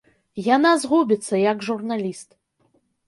Яна згубіцца як журналіст.